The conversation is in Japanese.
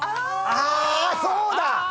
あそうだ！